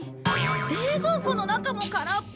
冷蔵庫の中も空っぽ。